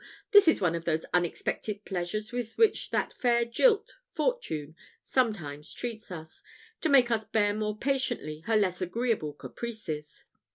This is one of those unexpected pleasures with which that fair jilt, Fortune, sometimes treats us, to make us bear more patiently her less agreeable caprices."